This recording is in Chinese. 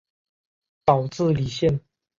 岛智里线